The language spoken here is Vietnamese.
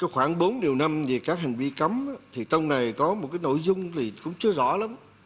khoảng bốn điều năm về các hành vi cấm thì trong này có một nội dung thì cũng chưa rõ lắm